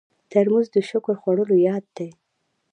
ترموز د شکر خوړلو یاد دی.